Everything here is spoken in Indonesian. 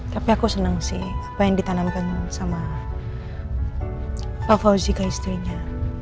tapi aku senang sih apa yang ditanamkan sama pak fauzi ke istrinya